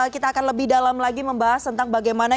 kita akan lebih dalam lagi membahas tentang bagaimana